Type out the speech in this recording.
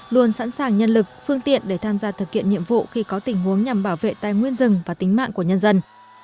luôn sẵn sàng nhân lực phương tiện để tham gia thực hiện nhiệm vụ khi có tình huống nhằm bảo vệ tài nguyên rừng và tính mạng của nhân dân